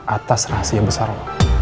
atas rahasia besar lo